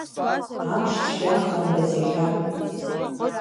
Амш цәгьамхандаз иахьа…